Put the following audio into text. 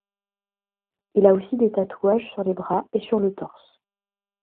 Il a aussi des tatouages sur les bras et sur le torse.